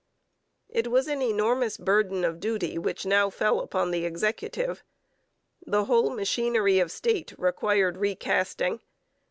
It was an enormous burden of duty which now fell upon the executive. The whole machinery of state required recasting.